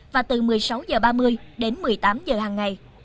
và từ một mươi sáu h ba mươi đến một mươi tám h hàng ngày